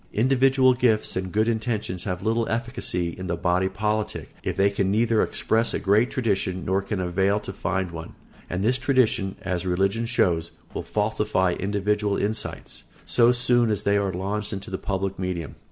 Individual gifts and good intentions have little efficacy in the body politic if they neither express a great tradition nor can avail to found one; and this tradition, as religion shows, will falsify individual insights so soon as they are launched into the public medium.